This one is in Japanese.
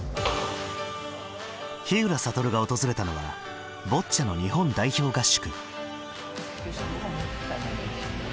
ひうらさとるが訪れたのはボッチャの日本代表合宿。